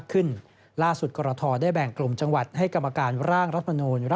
กตบอกไว้ดังนั้นสิ่งที่ไม่แน่ใจก็ไม่ควรทำ